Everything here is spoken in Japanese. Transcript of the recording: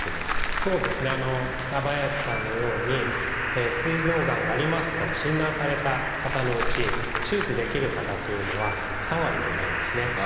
そうですね北林さんのようにすい臓がんがありますと診断された方のうち手術できる方っていうのは３割もいないんですね。